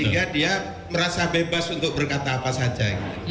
sehingga dia merasa bebas untuk berkata apa saja